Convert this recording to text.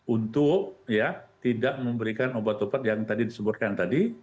untuk tidak memberikan obat obat yang tadi disebutkan tadi